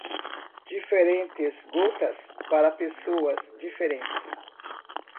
Diferentes gotas para pessoas diferentes.